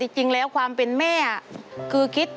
จริงแล้วความเป็นแม่คือคิด